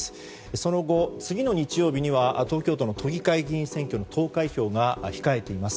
その後次の日曜日には東京都の都議会選挙の投開票が控えています。